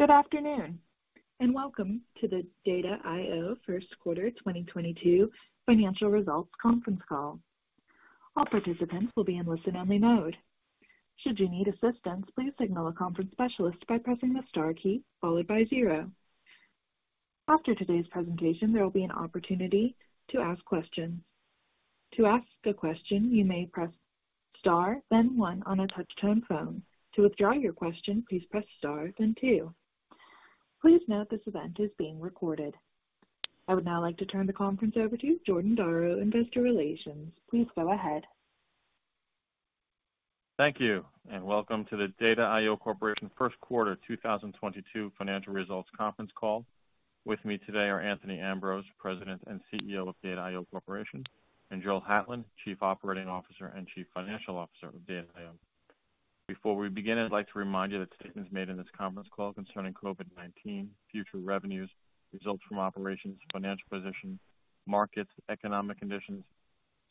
Good afternoon, and welcome to the Data I/O first quarter 2022 financial results conference call. All participants will be in listen only mode. Should you need assistance, please signal a conference specialist by pressing the star key followed by zero. After today's presentation, there will be an opportunity to ask questions. To ask a question, you may press star, then one on a touch-tone phone. To withdraw your question, please press star, then two. Please note this event is being recorded. I would now like to turn the conference over to Jordan Darrow, Investor Relations. Please go ahead. Thank you, and welcome to the Data I/O Corporation first quarter 2022 financial results conference call. With me today are Anthony Ambrose, President and CEO of Data I/O Corporation, and Joel Hatlen, Chief Operating Officer and Chief Financial Officer of Data I/O. Before we begin, I'd like to remind you that statements made in this conference call concerning COVID-19 future revenues, results from operations, financial position, markets, economic conditions,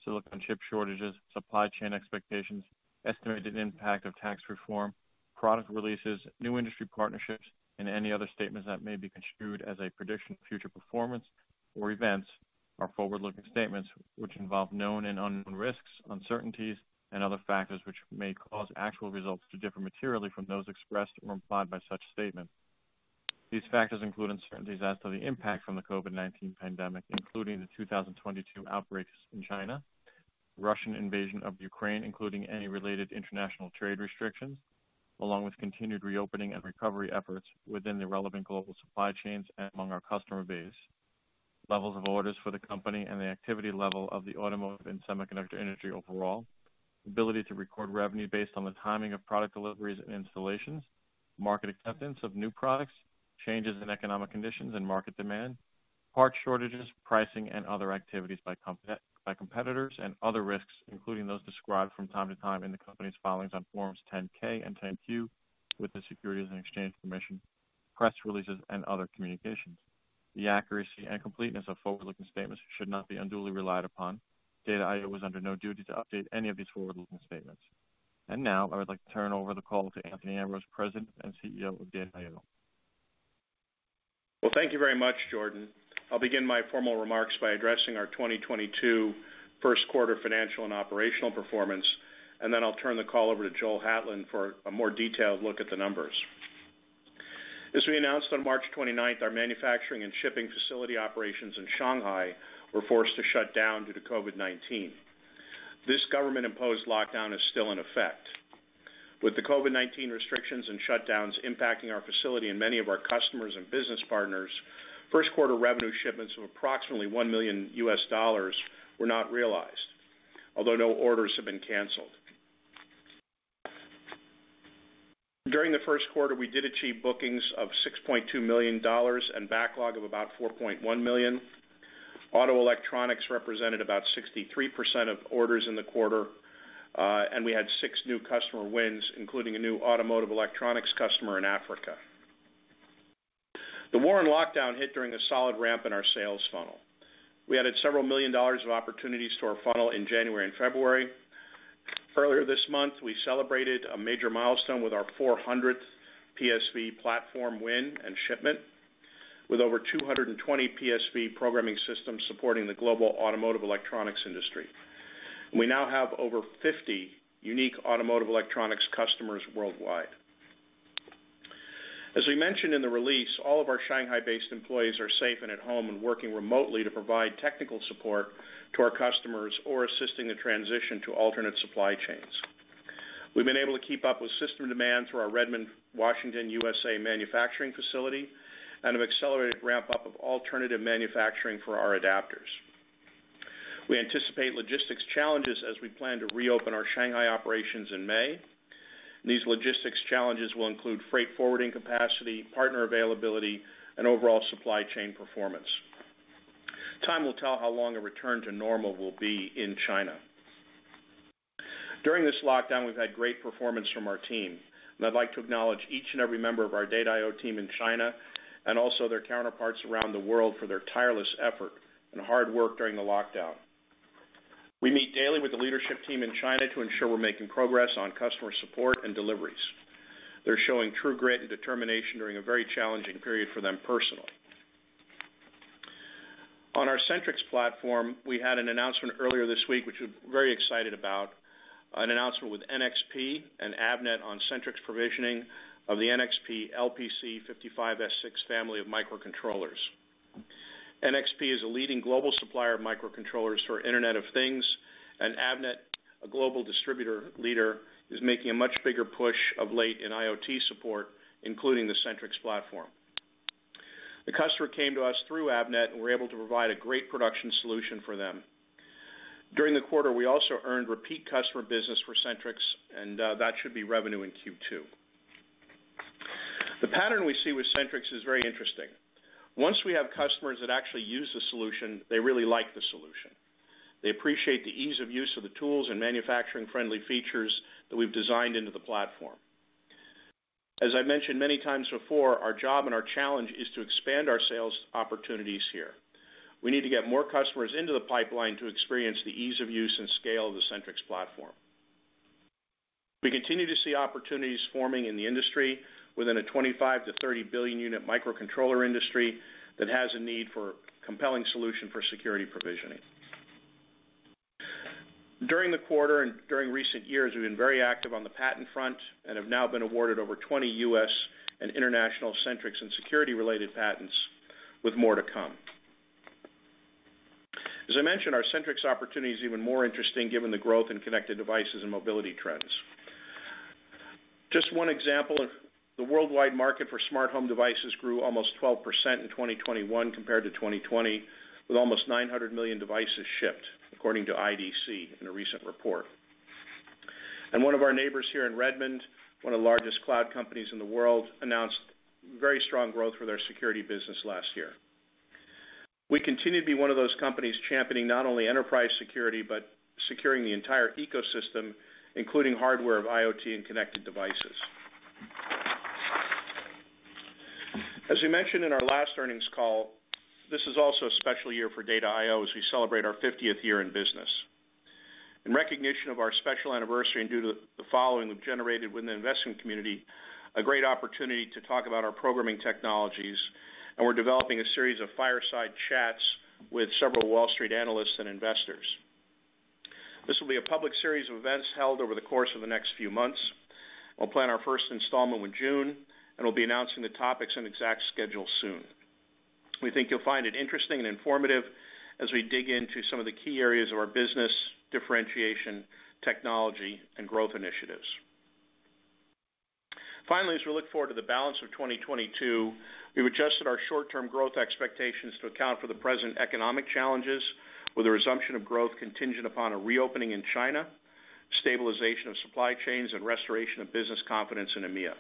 silicon chip shortages, supply chain expectations, estimated impact of tax reform, product releases, new industry partnerships, and any other statements that may be construed as a prediction of future performance or events are forward-looking statements which involve known and unknown risks, uncertainties and other factors which may cause actual results to differ materially from those expressed or implied by such statements. These factors include uncertainties as to the impact from the COVID-19 pandemic, including the 2022 outbreaks in China, Russian invasion of Ukraine, including any related international trade restrictions, along with continued reopening and recovery efforts within the relevant global supply chains and among our customer base, levels of orders for the company and the activity level of the automotive and semiconductor industry overall. Ability to record revenue based on the timing of product deliveries and installations, market acceptance of new products, changes in economic conditions and market demand, part shortages, pricing, and other activities by competitors, and other risks, including those described from time to time in the company's filings on Forms 10-K and 10-Q with the Securities and Exchange Commission, press releases and other communications. The accuracy and completeness of forward-looking statements should not be unduly relied upon. Data I/O is under no duty to update any of these forward-looking statements. Now I would like to turn over the call to Anthony Ambrose, President and CEO of Data I/O. Well, thank you very much, Jordan. I'll begin my formal remarks by addressing our 2022 first quarter financial and operational performance, and then I'll turn the call over to Joel Hatlen for a more detailed look at the numbers. As we announced on March 29, our manufacturing and shipping facility operations in Shanghai were forced to shut down due to COVID-19. This government imposed lockdown is still in effect. With the COVID-19 restrictions and shutdowns impacting our facility and many of our customers and business partners, first quarter revenue shipments of approximately $1 million were not realized, although no orders have been canceled. During the first quarter, we did achieve bookings of $6.2 million and backlog of about $4.1 million. Auto electronics represented about 63% of orders in the quarter. We had six new customer wins, including a new automotive electronics customer in Africa. The war and lockdown hit during a solid ramp in our sales funnel. We added $several million of opportunities to our funnel in January and February. Earlier this month, we celebrated a major milestone with our 400th PSV platform win and shipment. With over 220 PSV programming systems supporting the global automotive electronics industry. We now have over 50 unique automotive electronics customers worldwide. As we mentioned in the release, all of our Shanghai-based employees are safe and at home and working remotely to provide technical support to our customers or assisting the transition to alternate supply chains. We've been able to keep up with system demand through our Redmond, Washington, USA manufacturing facility and have accelerated ramp up of alternative manufacturing for our adapters. We anticipate logistics challenges as we plan to reopen our Shanghai operations in May. These logistics challenges will include freight forwarding capacity, partner availability and overall supply chain performance. Time will tell how long a return to normal will be in China. During this lockdown, we've had great performance from our team, and I'd like to acknowledge each and every member of our Data I/O team in China and also their counterparts around the world for their tireless effort and hard work during the lockdown. We meet daily with the leadership team in China to ensure we're making progress on customer support and deliveries. They're showing true grit and determination during a very challenging period for them personally. On our SentriX platform, we had an announcement earlier this week, which we're very excited about, an announcement with NXP and Avnet on SentriX provisioning of the NXP LPC55S6x family of microcontrollers. NXP is a leading global supplier of microcontrollers for Internet of Things, and Avnet, a global distributor leader, is making a much bigger push of late in IoT support, including the SentriX platform. The customer came to us through Avnet and we're able to provide a great production solution for them. During the quarter, we also earned repeat customer business for SentriX, and that should be revenue in Q2. The pattern we see with SentriX is very interesting. Once we have customers that actually use the solution, they really like the solution. They appreciate the ease of use of the tools and manufacturing friendly features that we've designed into the platform. As I mentioned many times before, our job and our challenge is to expand our sales opportunities here. We need to get more customers into the pipeline to experience the ease of use and scale of the SentriX platform. We continue to see opportunities forming in the industry within a 25 billion-30 billion unit microcontroller industry that has a need for compelling solution for security provisioning. During the quarter and during recent years, we've been very active on the patent front and have now been awarded over 20 U.S. and international SentriX and security-related patents with more to come. As I mentioned, our SentriX opportunity is even more interesting given the growth in connected devices and mobility trends. Just one example, the worldwide market for smart home devices grew almost 12% in 2021 compared to 2020, with almost 900 million devices shipped, according to IDC in a recent report. One of our neighbors here in Redmond, one of the largest cloud companies in the world, announced very strong growth for their security business last year. We continue to be one of those companies championing not only enterprise security, but securing the entire ecosystem, including hardware of IoT and connected devices. As we mentioned in our last earnings call, this is also a special year for Data I/O as we celebrate our 50th year in business. In recognition of our special anniversary and due to the following we've generated with the investment community, a great opportunity to talk about our programming technologies, and we're developing a series of fireside chats with several Wall Street analysts and investors. This will be a public series of events held over the course of the next few months. We'll plan our first installment with June, and we'll be announcing the topics and exact schedule soon. We think you'll find it interesting and informative as we dig into some of the key areas of our business, differentiation, technology, and growth initiatives. Finally, as we look forward to the balance of 2022, we've adjusted our short-term growth expectations to account for the present economic challenges with a resumption of growth contingent upon a reopening in China, stabilization of supply chains, and restoration of business confidence in EMEA.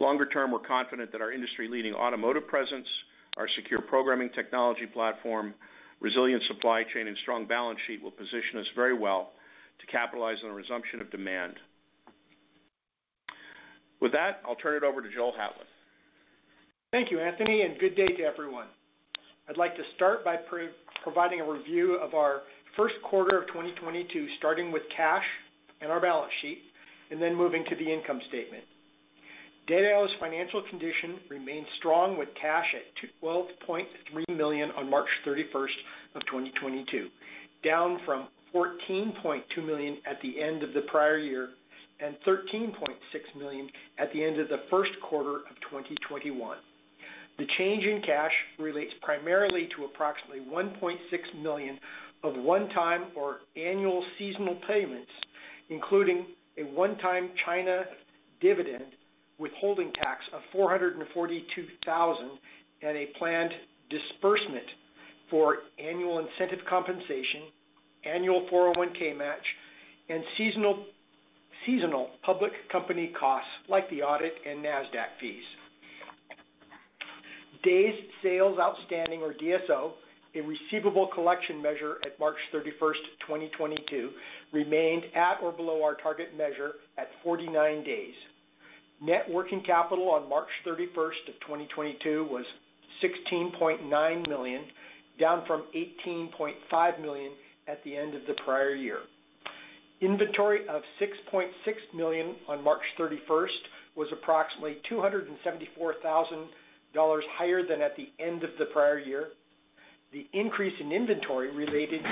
Longer term, we're confident that our industry-leading automotive presence, our secure programming technology platform, resilient supply chain, and strong balance sheet will position us very well to capitalize on a resumption of demand. With that, I'll turn it over to Joel Hatlen. Thank you, Anthony, and good day to everyone. I'd like to start by providing a review of our first quarter of 2022, starting with cash and our balance sheet, and then moving to the income statement. Data I/O's financial condition remains strong with cash at $12.3 million on March 31st, 2022, down from $14.2 million at the end of the prior year and $13.6 million at the end of the first quarter of 2021. The change in cash relates primarily to approximately $1.6 million of one-time or annual seasonal payments, including a one-time China dividend withholding tax of $442,000 and a planned disbursement for annual incentive compensation, annual 401(k) match, and seasonal public company costs like the audit and Nasdaq fees. Days sales outstanding or DSO, a receivable collection measure at March 31st, 2022, remained at or below our target measure at 49 days. Net working capital on March 31st, 2022 was $16.9 million, down from $18.5 million at the end of the prior year. Inventory of $6.6 million on March 31 was approximately $274,000 higher than at the end of the prior year. The increase in inventory related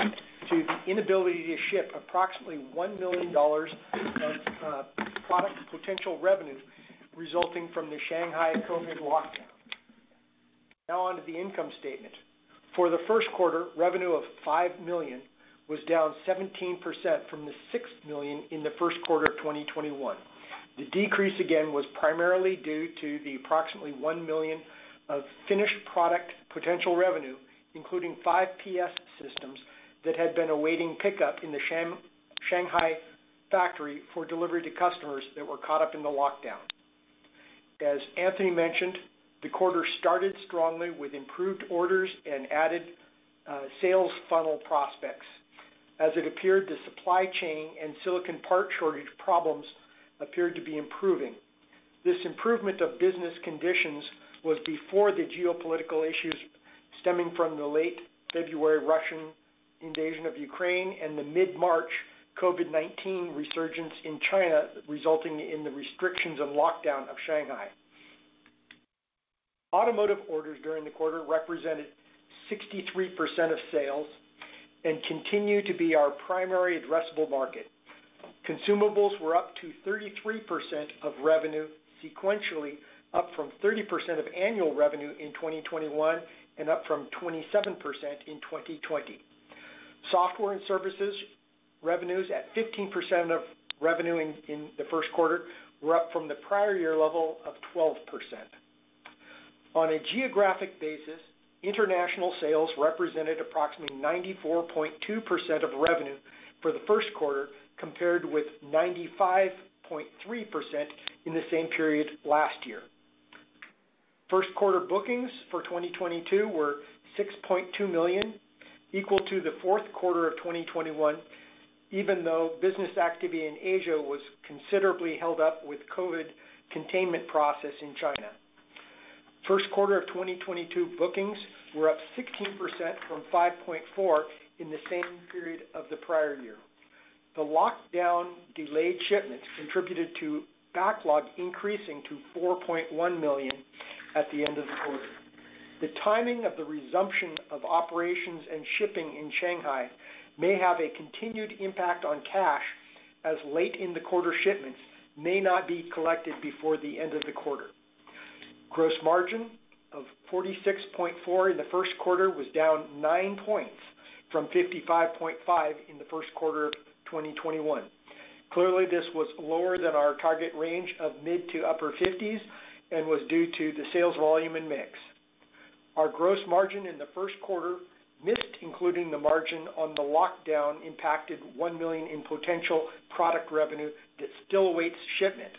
to the inability to ship approximately $1 million of product potential revenue resulting from the Shanghai COVID lockdown. Now on to the income statement. For the first quarter, revenue of $5 million was down 17% from the $6 million in the first quarter of 2021. The decrease, again, was primarily due to the approximately $1 million of finished product potential revenue, including five PSV systems that had been awaiting pickup in the Shanghai factory for delivery to customers that were caught up in the lockdown. As Anthony mentioned, the quarter started strongly with improved orders and added sales funnel prospects as it appeared the supply chain and silicon part shortage problems appeared to be improving. This improvement of business conditions was before the geopolitical issues stemming from the late February Russian invasion of Ukraine and the mid-March COVID-19 resurgence in China, resulting in the restrictions and lockdown of Shanghai. Automotive orders during the quarter represented 63% of sales and continue to be our primary addressable market. Consumables were up to 33% of revenue sequentially, up from 30% of annual revenue in 2021 and up from 27% in 2020. Software and services revenues at 15% of revenue in the first quarter were up from the prior year level of 12%. On a geographic basis, international sales represented approximately 94.2% of revenue for the first quarter, compared with 95.3% in the same period last year. First quarter bookings for 2022 were $6.2 million, equal to the fourth quarter of 2021, even though business activity in Asia was considerably held up with COVID containment process in China. First quarter of 2022 bookings were up 16% from $5.4 million in the same period of the prior year. The lockdown delayed shipments contributed to backlog increasing to $4.1 million at the end of the quarter. The timing of the resumption of operations and shipping in Shanghai may have a continued impact on cash as late in the quarter shipments may not be collected before the end of the quarter. Gross margin of 46.4% in the first quarter was down 9 points from 55.5% in the first quarter of 2021. Clearly, this was lower than our target range of mid- to upper 50s and was due to the sales volume and mix. Our gross margin in the first quarter missed, including the margin on the lockdown-impacted $1 million in potential product revenue that still awaits shipment,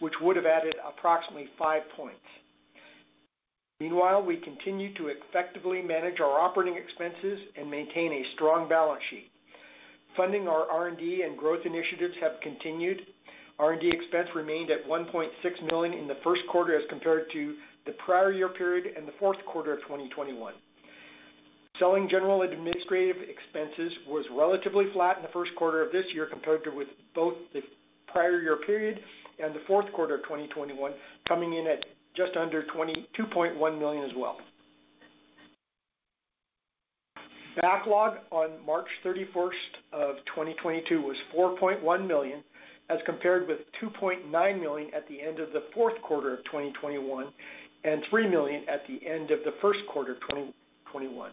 which would have added approximately 5 points. Meanwhile, we continue to effectively manage our operating expenses and maintain a strong balance sheet. Funding our R&D and growth initiatives have continued. R&D expense remained at $1.6 million in the first quarter as compared to the prior year period and the fourth quarter of 2021. Selling general administrative expenses was relatively flat in the first quarter of this year compared with both the prior year period and the fourth quarter of 2021, coming in at just under $2.1 million as well. Backlog on March 31st, 2022 was $4.1 million, as compared with $2.9 million at the end of the fourth quarter of 2021 and $3 million at the end of the first quarter of 2021.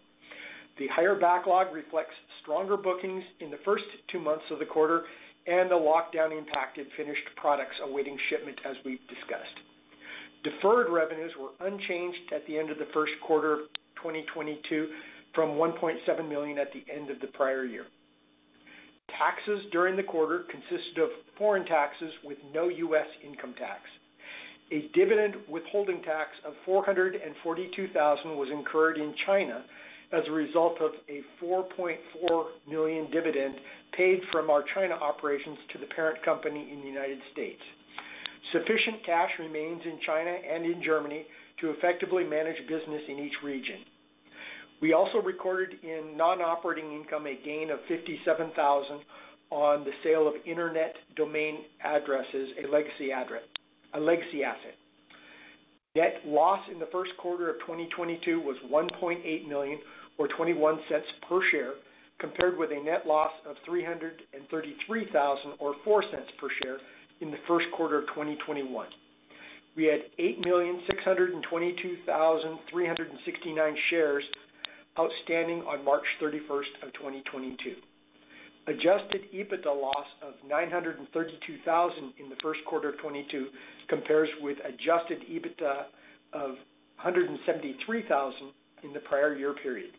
The higher backlog reflects stronger bookings in the first two months of the quarter and the lockdown impacted finished products awaiting shipment, as we've discussed. Deferred revenues were unchanged at the end of the first quarter of 2022 from $1.7 million at the end of the prior year. Taxes during the quarter consisted of foreign taxes with no U.S. income tax. A dividend withholding tax of $442,000 was incurred in China as a result of a $4.4 million dividend paid from our China operations to the parent company in the United States. Sufficient cash remains in China and in Germany to effectively manage business in each region. We also recorded in non-operating income a gain of $57,000 on the sale of internet domain addresses, a legacy asset. Net loss in the first quarter of 2022 was $1.8 million or $0.21 per share, compared with a net loss of $333,000 or $0.04 per share in the first quarter of 2021. We had 8,622,369 shares outstanding on March 31st, 2022. Adjusted EBITDA loss of $932,000 in the first quarter of 2022 compares with adjusted EBITDA of $173,000 in the prior year period.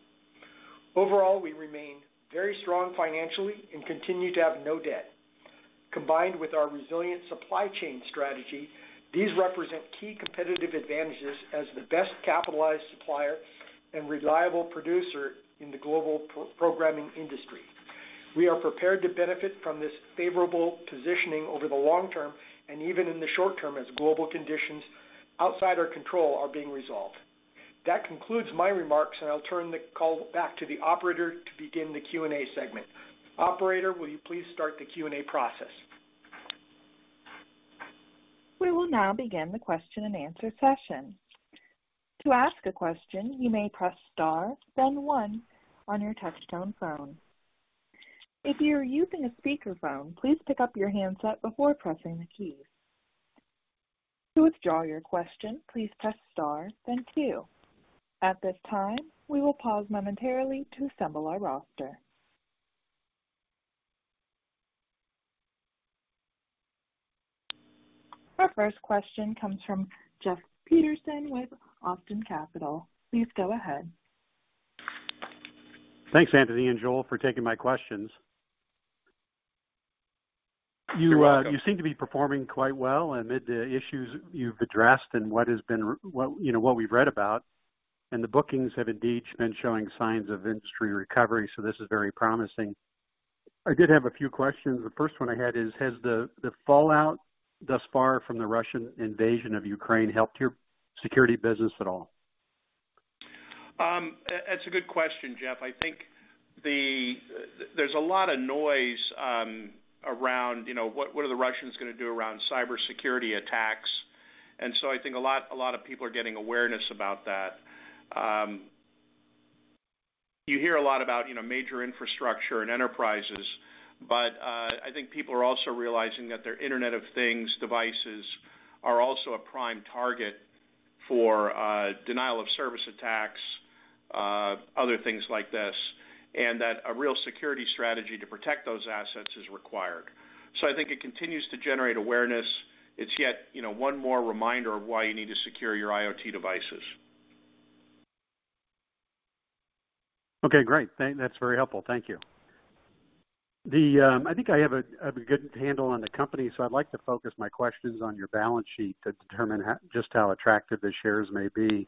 Overall, we remain very strong financially and continue to have no debt. Combined with our resilient supply chain strategy, these represent key competitive advantages as the best capitalized supplier and reliable producer in the global programming industry. We are prepared to benefit from this favorable positioning over the long term and even in the short term as global conditions outside our control are being resolved. That concludes my remarks, and I'll turn the call back to the operator to begin the Q&A segment. Operator, will you please start the Q&A process? We will now begin the question-and-answer session. To ask a question, you may press star then one on your touchtone phone. If you are using a speakerphone, please pick up your handset before pressing the key. To withdraw your question, please press star then two. At this time, we will pause momentarily to assemble our roster. Our first question comes from Jeff Peterson with Austin Capital. Please go ahead. Thanks, Anthony and Joel, for taking my questions. You're welcome. You seem to be performing quite well amid the issues you've addressed and what has been what, you know, what we've read about. The bookings have indeed been showing signs of industry recovery, so this is very promising. I did have a few questions. The first one I had is, has the fallout thus far from the Russian invasion of Ukraine helped your security business at all? That's a good question, Jeff. I think there's a lot of noise around, you know, what the Russians are gonna do around cybersecurity attacks. I think a lot of people are getting awareness about that. You hear a lot about, you know, major infrastructure and enterprises, but I think people are also realizing that their Internet of Things devices are also a prime target for denial of service attacks, other things like this, and that a real security strategy to protect those assets is required. I think it continues to generate awareness. It's yet, you know, one more reminder of why you need to secure your IoT devices. Okay, great. That's very helpful. Thank you. I think I have a good handle on the company, so I'd like to focus my questions on your balance sheet to determine how just how attractive the shares may be.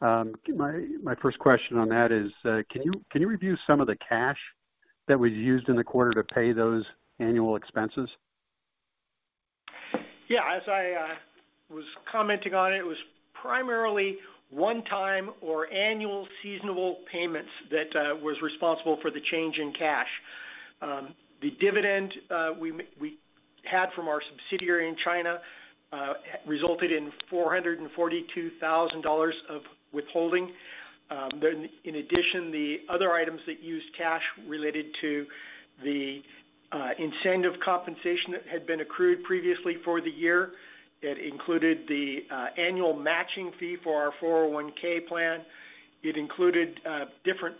My first question on that is, can you review some of the cash that was used in the quarter to pay those annual expenses? Yeah. As I was commenting on it was primarily one-time or annual seasonal payments that was responsible for the change in cash. The dividend we had from our subsidiary in China resulted in $442,000 of withholding. Then in addition, the other items that used cash related to the incentive compensation that had been accrued previously for the year. It included the annual matching fee for our 401(k) plan. It included different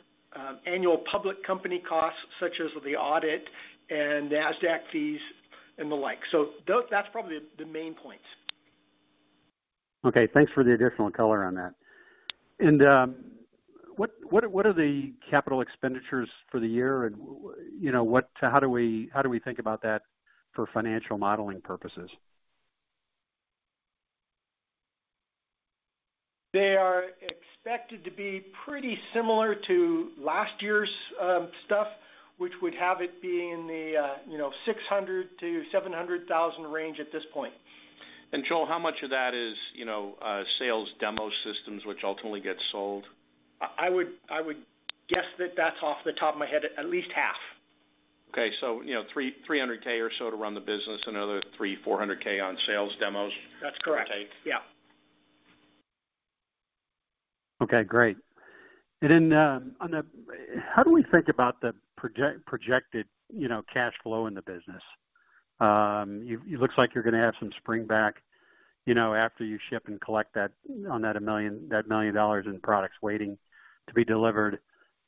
annual public company costs such as the audit and Nasdaq fees and the like. That's probably the main points. Okay, thanks for the additional color on that. What are the capital expenditures for the year? You know, how do we think about that for financial modeling purposes? They are expected to be pretty similar to last year's stuff, which would have it be in the $600,000-$700,000 range at this point. Joel, how much of that is, you know, sales demo systems which ultimately get sold? I would guess that that's off the top of my head, at least half. You know, $300,000 or so to run the business. Another $300,000-$400,000 on sales demos. That's correct. Give or take. Yeah. Okay, great. On the projected, you know, cash flow in the business? It looks like you're gonna have some spring back, you know, after you ship and collect on that $1 million in products waiting to be delivered.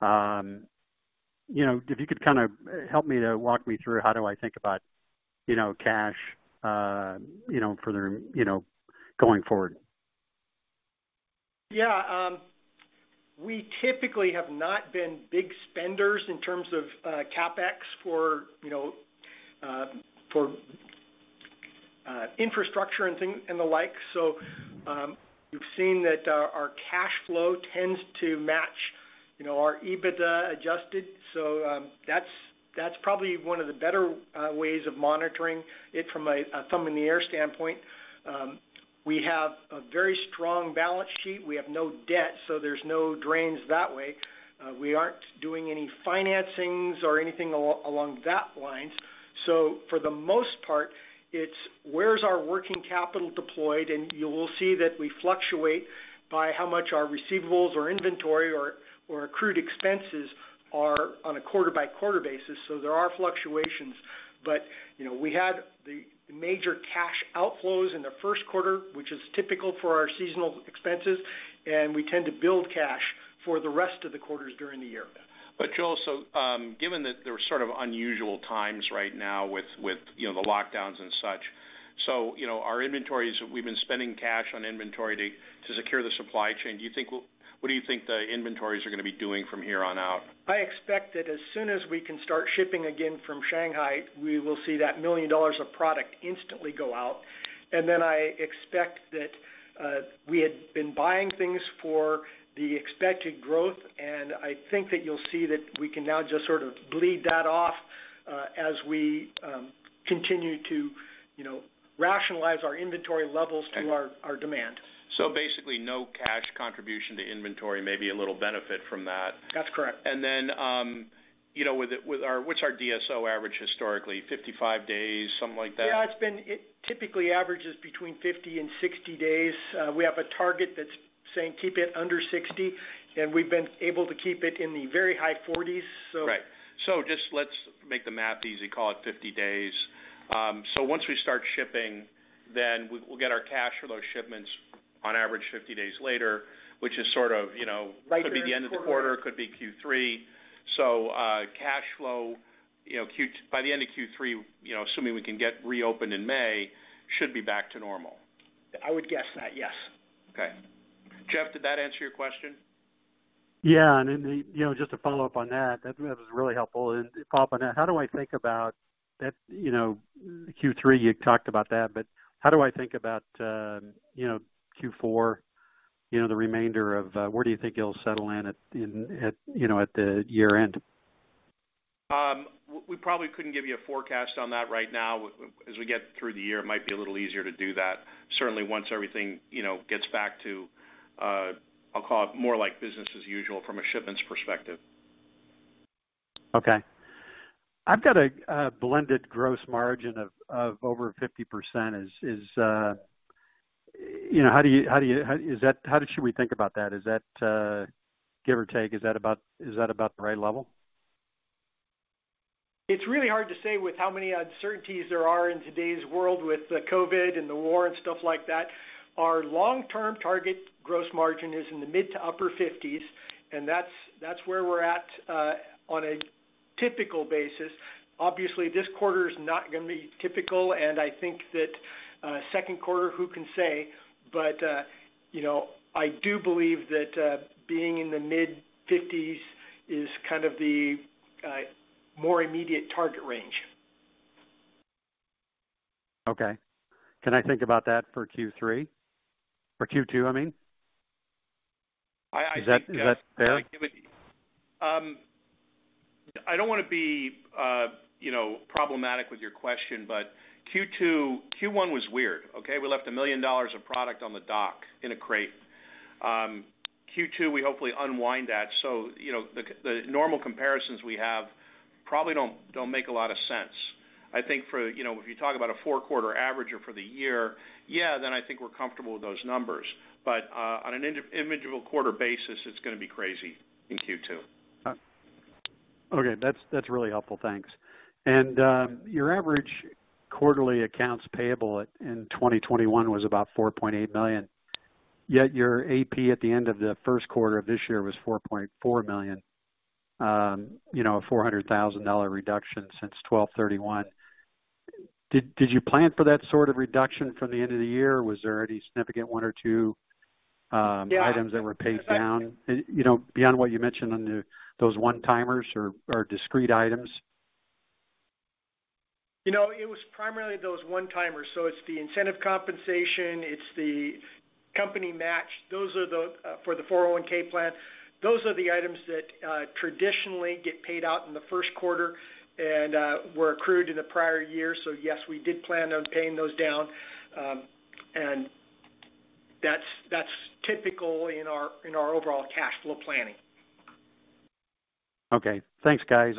You know, if you could kind of help me walk me through how do I think about, you know, cash, you know, for the, you know, going forward. Yeah. We typically have not been big spenders in terms of CapEx for, you know, for infrastructure and the like. We've seen that our cash flow tends to match, you know, our EBITDA adjusted. That's probably one of the better ways of monitoring it from a rule-of-thumb standpoint. We have a very strong balance sheet. We have no debt, so there's no drains that way. We aren't doing any financings or anything along that line. For the most part, it's where our working capital deployed. You will see that we fluctuate by how much our receivables or inventory or accrued expenses are on a quarter-by-quarter basis. There are fluctuations. You know, we had the major cash outflows in the first quarter, which is typical for our seasonal expenses, and we tend to build cash for the rest of the quarters during the year. Joel, given that there are sort of unusual times right now with you know the lockdowns and such, you know, our inventories, we've been spending cash on inventory to secure the supply chain. What do you think the inventories are gonna be doing from here on out? I expect that as soon as we can start shipping again from Shanghai, we will see that $1 million of product instantly go out. I expect that we had been buying things for the expected growth, and I think that you'll see that we can now just sort of bleed that off, as we continue to, you know, rationalize our inventory levels to our demand. Basically no cash contribution to inventory, maybe a little benefit from that. That's correct. You know, with our what's our DSO average historically? 55 days, something like that? Yeah. It's been. It typically averages between 50 and 60 days. We have a target that's saying keep it under 60, and we've been able to keep it in the very high 40s, so. Right. Just let's make the math easy, call it 50 days. Once we start shipping, then we'll get our cash for those shipments on average 50 days later, which is sort of, you know. Later in the quarter. Could be the end of the quarter, could be Q3. Cash flow, you know, by the end of Q3, you know, assuming we can get reopened in May, should be back to normal. I would guess that, yes. Okay. Jeff, did that answer your question? Yeah. You know, just to follow up on that was really helpful. To follow up on that, how do I think about that, you know, Q3, you talked about that, but how do I think about, you know, Q4, you know, the remainder of where do you think it'll settle in at, you know, at the year-end? We probably couldn't give you a forecast on that right now. As we get through the year, it might be a little easier to do that. Certainly once everything, you know, gets back to, I'll call it more like business as usual from a shipments perspective. Okay. I've got a blended gross margin of over 50%. You know, how should we think about that? Is that, give or take, about the right level? It's really hard to say with how many uncertainties there are in today's world with the COVID and the war and stuff like that. Our long-term target gross margin is in the mid- to upper-50s, and that's where we're at on a typical basis. Obviously, this quarter is not gonna be typical, and I think that second quarter, who can say? You know, I do believe that being in the mid-50s is kind of the more immediate target range. Okay. Can I think about that for Q3 or Q2, I mean? Is that fair? I don't wanna be, you know, problematic with your question, but Q2. Q1 was weird, okay? We left $1 million of product on the dock in a crate. Q2, we hopefully unwind that. You know, the normal comparisons we have probably don't make a lot of sense. I think for, you know, if you talk about a four-quarter average or for the year, yeah, then I think we're comfortable with those numbers. On an individual quarter basis, it's gonna be crazy in Q2. Okay. That's really helpful. Thanks. Your average quarterly accounts payable in 2021 was about $4.8 million, yet your AP at the end of the first quarter of this year was $4.4 million, you know, a $400,000 reduction since December 31. Did you plan for that sort of reduction from the end of the year? Was there any significant one or two? Yeah. Items that were paid down, you know, beyond what you mentioned those one-timers or discrete items? You know, it was primarily those one-timers. It's the incentive compensation, it's the company match. Those are the items that traditionally get paid out in the first quarter and were accrued in the prior year. Yes, we did plan on paying those down. That's typical in our overall cash flow planning. Okay. Thanks, guys.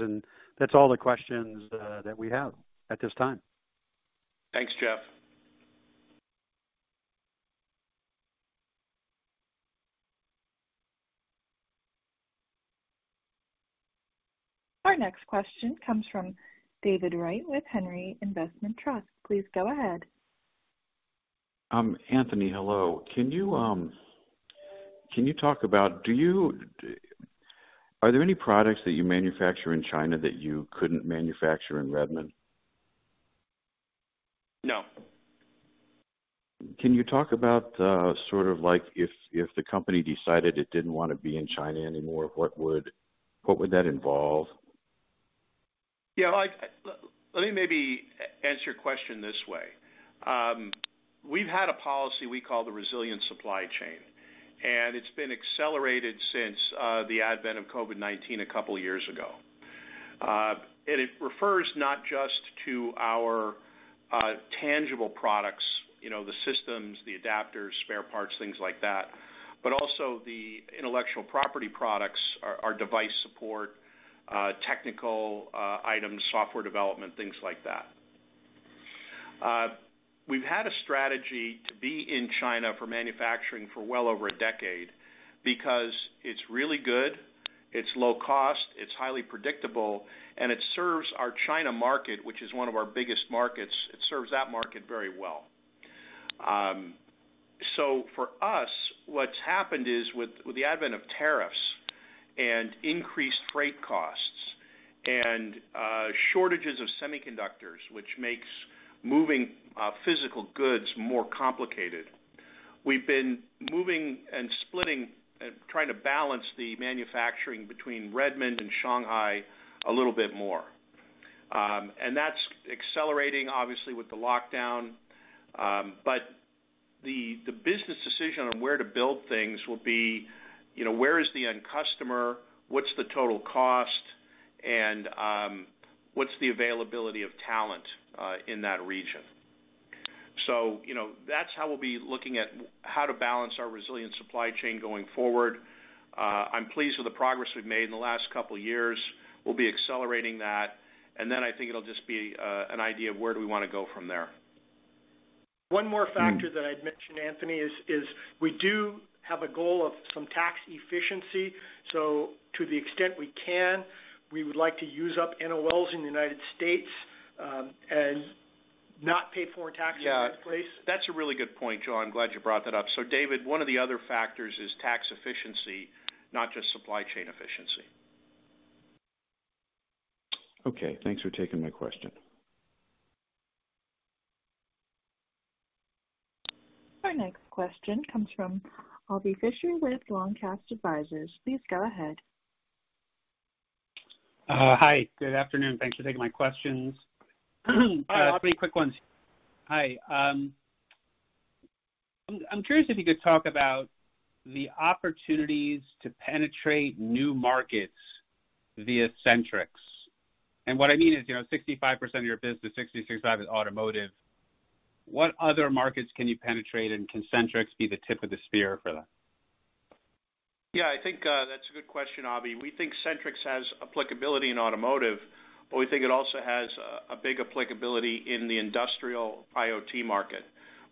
That's all the questions that we have at this time. Thanks, Jeff. Our next question comes from David Wright with Henry Investment Trust. Please go ahead. Anthony, hello. Are there any products that you manufacture in China that you couldn't manufacture in Redmond? No. Can you talk about, sort of like if the company decided it didn't wanna be in China anymore, what would that involve? Yeah. Like, let me maybe answer your question this way. We've had a policy we call the resilient supply chain, and it's been accelerated since the advent of COVID-19 a couple years ago. It refers not just to our tangible products, you know, the systems, the adapters, spare parts, things like that, but also the intellectual property products, our device support, technical items, software development, things like that. We've had a strategy to be in China for manufacturing for well over a decade because it's really good, it's low cost, it's highly predictable, and it serves our China market, which is one of our biggest markets. It serves that market very well. For us, what's happened is with the advent of tariffs and increased freight costs and shortages of semiconductors, which makes moving physical goods more complicated, we've been moving and splitting and trying to balance the manufacturing between Redmond and Shanghai a little bit more. That's accelerating obviously with the lockdown. The business decision on where to build things will be, you know, where is the end customer? What's the total cost? And what's the availability of talent in that region? You know, that's how we'll be looking at how to balance our resilient supply chain going forward. I'm pleased with the progress we've made in the last couple years. We'll be accelerating that. Then I think it'll just be an idea of where do we wanna go from there. One more factor that I'd mention, Anthony, is we do have a goal of some tax efficiency. To the extent we can, we would like to use up NOLs in the United States and not pay foreign taxes in place. Yeah. That's a really good point, Joel. Glad you brought that up. David, one of the other factors is tax efficiency, not just supply chain efficiency. Okay. Thanks for taking my question. Our next question comes from Avi Fisher with Long Cast Advisers. Please go ahead. Hi, good afternoon. Thanks for taking my questions. Hi, Avi. Three quick ones. Hi. I'm curious if you could talk about the opportunities to penetrate new markets via SentriX. What I mean is, you know, 65% of your business, 66.5% is automotive. What other markets can you penetrate, and can SentriX be the tip of the spear for that? Yeah, I think that's a good question, Avi. We think SentriX has applicability in automotive, but we think it also has a big applicability in the industrial IoT market,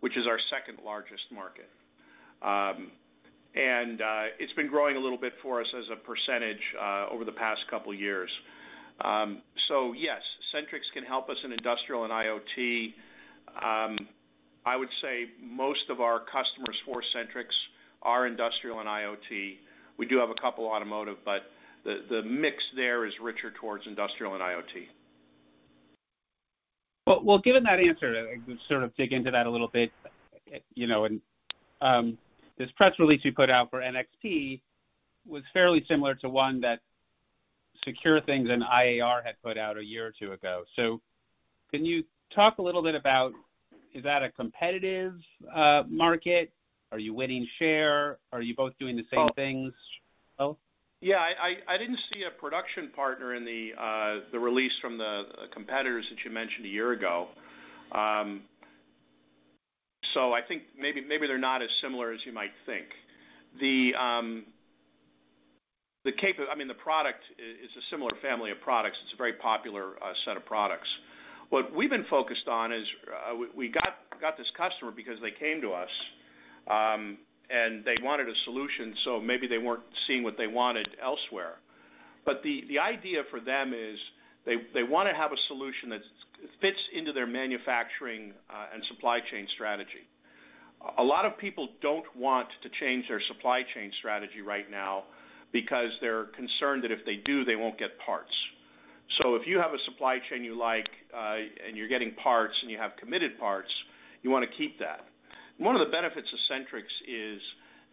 which is our second largest market. It's been growing a little bit for us as a percentage over the past couple years. Yes, SentriX can help us in industrial and IoT. I would say most of our customers for SentriX are industrial and IoT. We do have a couple automotive, but the mix there is richer towards industrial and IoT. Well, given that answer, sort of dig into that a little bit, you know, this press release you put out for NXP was fairly similar to one that Secure Thingz and IAR had put out a year or two ago. Can you talk a little bit about, is that a competitive market? Are you winning share? Are you both doing the same things? Yeah, I didn't see a production partner in the release from the competitors that you mentioned a year ago. I think maybe they're not as similar as you might think. I mean, the product is a similar family of products. It's a very popular set of products. What we've been focused on is we got this customer because they came to us and they wanted a solution, so maybe they weren't seeing what they wanted elsewhere. The idea for them is they wanna have a solution that fits into their manufacturing and supply chain strategy. A lot of people don't want to change their supply chain strategy right now because they're concerned that if they do, they won't get parts. If you have a supply chain you like, and you're getting parts, and you have committed parts, you wanna keep that. One of the benefits of SentriX is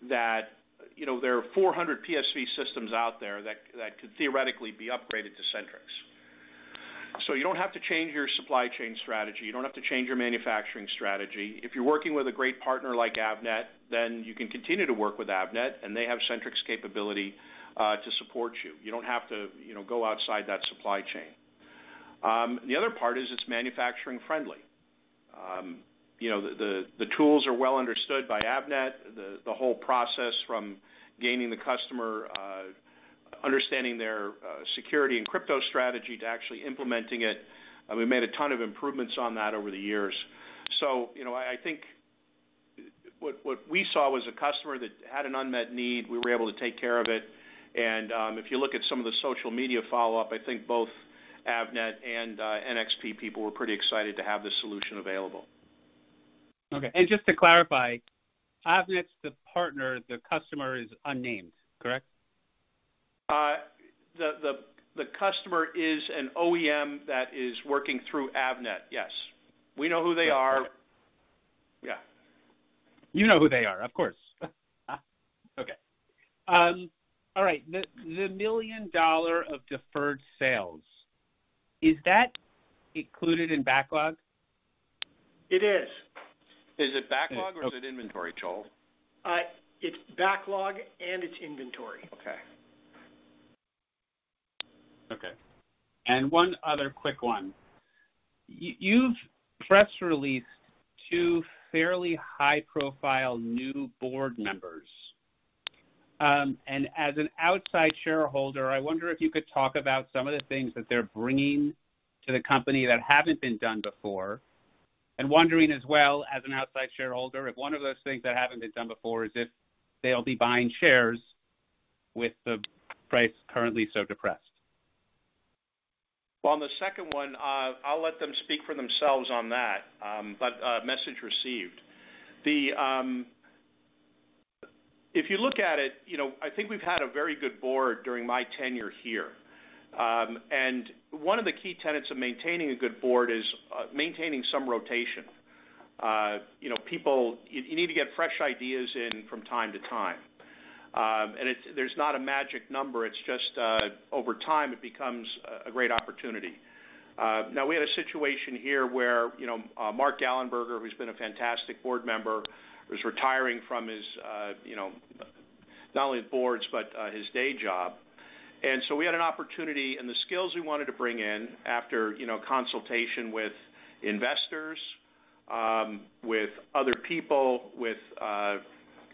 that, you know, there are 400 PSV systems out there that could theoretically be upgraded to SentriX. You don't have to change your supply chain strategy. You don't have to change your manufacturing strategy. If you're working with a great partner like Avnet, then you can continue to work with Avnet, and they have SentriX capability to support you. You don't have to, you know, go outside that supply chain. The other part is it's manufacturing friendly. You know, the tools are well understood by Avnet. The whole process from gaining the customer, understanding their security and crypto strategy to actually implementing it, we made a ton of improvements on that over the years. You know, I think what we saw was a customer that had an unmet need. We were able to take care of it. If you look at some of the social media follow-up, I think both Avnet and NXP people were pretty excited to have this solution available. Okay. Just to clarify, Avnet's the partner, the customer is unnamed, correct? The customer is an OEM that is working through Avnet. Yes. We know who they are. Yeah. You know who they are, of course. Okay. All right. The $1 million of deferred sales, is that included in backlog? It is. Is it backlog or is it inventory, Joel? It's backlog and it's inventory. Okay. One other quick one. You've press released two fairly high-profile new board members. As an outside shareholder, I wonder if you could talk about some of the things that they're bringing to the company that haven't been done before. I'm wondering as well as an outside shareholder, if one of those things that haven't been done before is if they'll be buying shares with the price currently so depressed. On the second one, I'll let them speak for themselves on that. Message received. If you look at it, you know, I think we've had a very good board during my tenure here. One of the key tenets of maintaining a good board is maintaining some rotation. You know, you need to get fresh ideas in from time to time. There's not a magic number. It's just over time, it becomes a great opportunity. Now, we have a situation here where, you know, Mark Gallenberger, who's been a fantastic board member, is retiring from his, you know, not only his boards, but his day job. We had an opportunity and the skills we wanted to bring in after, you know, consultation with investors, with other people, with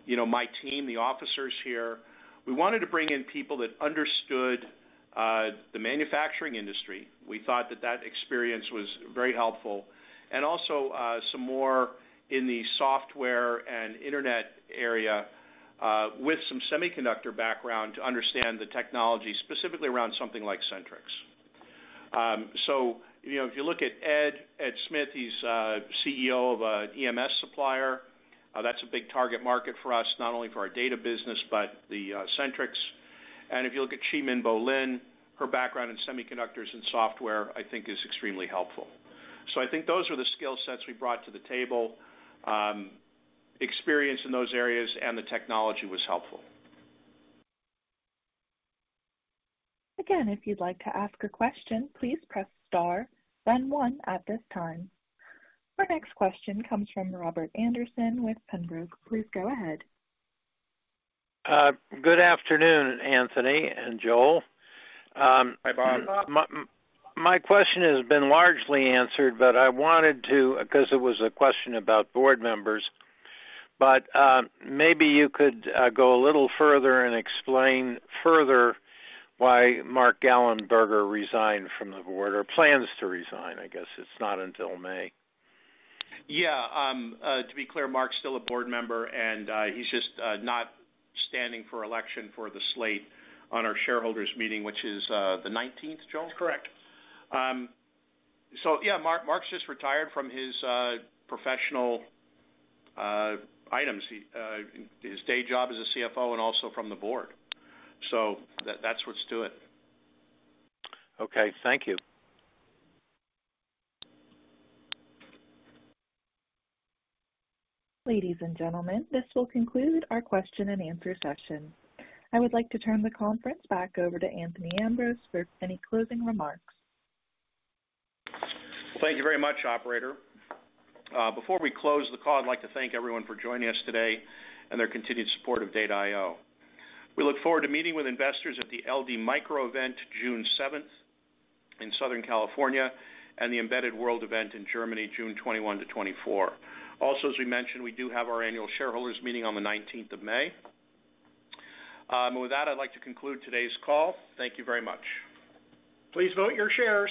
you know, my team, the officers here. We wanted to bring in people that understood the manufacturing industry. We thought that experience was very helpful. Some more in the software and internet area with some semiconductor background to understand the technology, specifically around something like SentriX. You know, if you look at Ed Smith, he's a CEO of an EMS supplier. That's a big target market for us, not only for our data business, but the SentriX. If you look at Cheemin Bo-Linn, her background in semiconductors and software, I think is extremely helpful. I think those are the skill sets we brought to the table. Experience in those areas, and the technology was helpful. Again, if you'd like to ask a question, please press star then one at this time. Our next question comes from Robert Anderson with Penbrook. Please go ahead. Good afternoon, Anthony and Joel. Hi, Bob. My question has been largely answered, but I wanted to, 'cause it was a question about board members, but maybe you could go a little further and explain further why Mark Gallenberger resigned from the board or plans to resign, I guess. It's not until May. Yeah. To be clear, Mark's still a board member, and he's just not standing for election for the slate on our shareholders meeting, which is the nineteenth, Joel? That's correct. Yeah, Mark's just retired from his day job as a CFO and also from the board. That's what's to it. Okay, thank you. Ladies and gentlemen, this will conclude our question and answer session. I would like to turn the conference back over to Anthony Ambrose for any closing remarks. Thank you very much, operator. Before we close the call, I'd like to thank everyone for joining us today and their continued support of Data I/O. We look forward to meeting with investors at the LD Micro event, June 7 in Southern California and the Embedded World event in Germany, June 21-24. Also, as we mentioned, we do have our annual shareholders meeting on May 19. With that, I'd like to conclude today's call. Thank you very much. Please vote your shares.